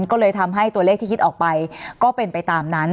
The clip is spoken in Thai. ก็เลยทำให้ตัวเลขที่คิดออกไปก็เป็นไปตามนั้น